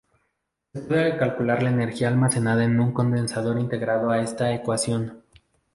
Se puede calcular la energía almacenada en un condensador integrando esta ecuación.